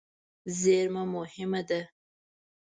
زېرمه مهمه ده.